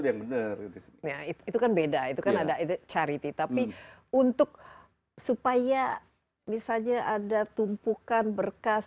yang benar itu kan beda itu kan ada charity tapi untuk supaya misalnya ada tumpukan berkas